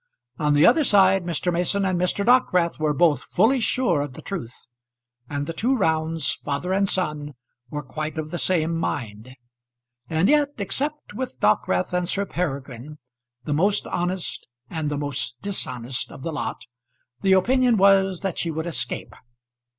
On the other side Mr. Mason and Mr. Dockwrath were both fully sure of the truth, and the two Rounds, father and son, were quite of the same mind. And yet, except with Dockwrath and Sir Peregrine, the most honest and the most dishonest of the lot, the opinion was that she would escape.